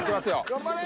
頑張れ。